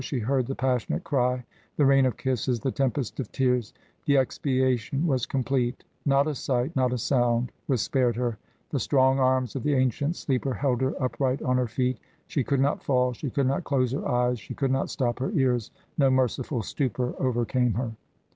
She heard the passionate cry, the rain of kisses, the tempest of tears. The expiation was complete. Not a sight, not a sound was spared her. The strong arms of the ancient sleeper held her upright on her feet. She could not fall, she could not close her eyes, she could not stop her ears, no merciful stupor overcame her.